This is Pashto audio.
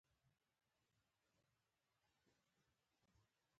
دوی د ککړتیا مخه نیسي.